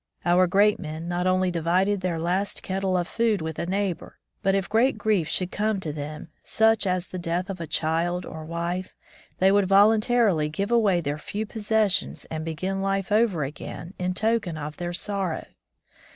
Our great men not only divided their last kettle of food with a neighbor, but if great grief should come to them, such as the death of child or wife, they would voluntarily give away their few possessions and begin life over again in token of their sorrow.